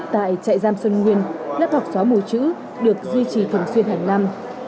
tại trại giam xuân nguyên lớp học gió mùa chữ được duy trì thường xuyên hàng năm